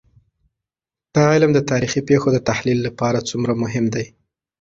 دا علم د تاريخي پېښو د تحلیل لپاره څومره مهم دی؟